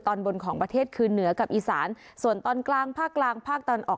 ตอนบนของประเทศคือเหนือกับอีสานส่วนตอนกลางภาคกลางภาคตะวันออก